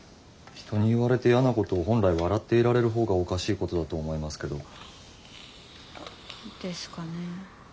人に言われて嫌なことを本来笑っていられる方がおかしいことだと思いますけど。ですかね。